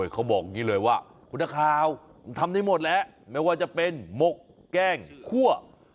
เขาบอกอย่างนี้เลยว่าคุณคราวทำได้หมดแล้ว